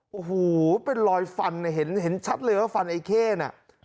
โอ้โหเป็นรอยฟันเนี่ยเห็นชัดเลยว่าฟันไอ้เข้น่ะ